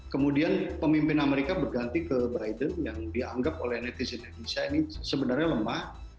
kemudian pemimpin amerika berganti ke biden yang dianggap oleh netizen indonesia ini sebenarnya lemah